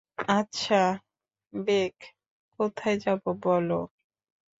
আচ্ছা, বেক, কোথায় যাব বলো?